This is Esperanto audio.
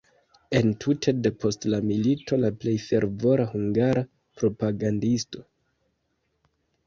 Entute depost la milito la plej fervora hungara propagandisto.